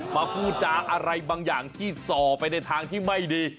พูดจาอะไรบางอย่างที่ส่อไปในทางที่ไม่ดี